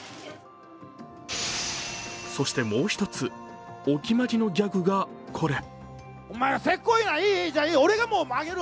そしてもう一つ、お決まりのギャグがこれ。